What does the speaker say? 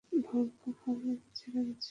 ভাগ্য ভালো, চেহারা বেঁচে গেছে।